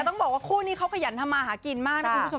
ต้องบอกว่าคู่นี้เขาขยันทำมาหากินมากนะคุณผู้ชม